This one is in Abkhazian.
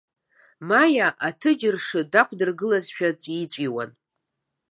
Маиа аҭыџь-ршы дақәдыргылазшәа дҵәиҵәиуан.